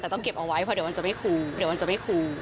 แต่ต้องเก็บเอาไว้เพราะเดี๋ยวมันจะไม่คูย